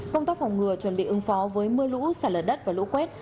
công tác phòng ngừa chuẩn bị ứng phó với mưa lũ xả lở đất và lũ quét